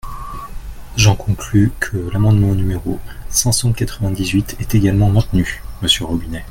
J’en conclus que l’amendement numéro cinq cent quatre-vingt-dix-huit est également maintenu, monsieur Robinet.